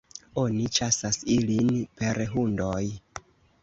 Oni ĉasas ilin per hundoj.